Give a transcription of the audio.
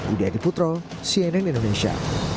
udyagin putro cnn indonesia